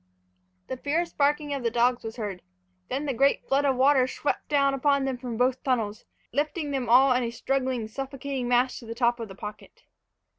The fierce barking of the dogs was heard. Then the great flood of water swept down upon them from both tunnels, lifting them all in a struggling, suffocating mass to the top of the pocket.